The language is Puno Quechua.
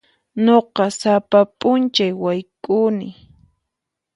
Nuqa sapa p'unchay wayk'uni.